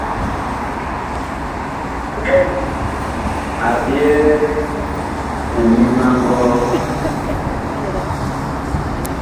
Ngɛn, a ɓyɛɛ ŋmim a ngɔɔ.